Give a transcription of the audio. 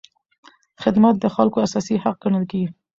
خدمت د خلکو اساسي حق ګڼل کېږي.